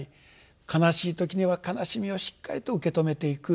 悲しい時には悲しみをしっかりと受け止めていく。